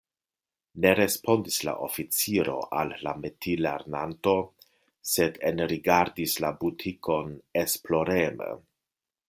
Ne respondis la oficiro al la metilernanto, sed enrigardis la butikon esploreme.